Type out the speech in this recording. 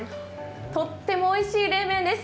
とってもおいしい冷麺です。